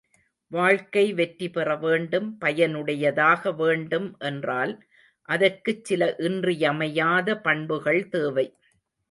வாழ்க்கை வெற்றி பெறவேண்டும், பயனுடையதாக வேண்டும் என்றால், அதற்குச் சில இன்றியமையாத பண்புகள் தேவை.